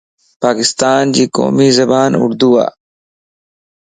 پاڪستانَ جي قومي زبان اردو ءَ.